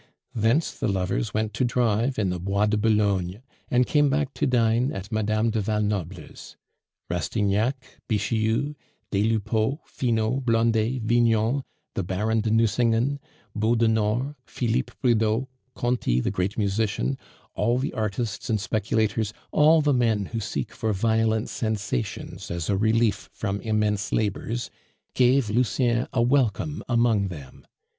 Thence the lovers went to drive in the Bois de Boulogne, and came back to dine at Mme. du Val Noble's. Rastignac, Bixiou, des Lupeaulx, Finot, Blondet, Vignon, the Baron de Nucingen, Beaudenord, Philippe Bridau, Conti, the great musician, all the artists and speculators, all the men who seek for violent sensations as a relief from immense labors, gave Lucien a welcome among them.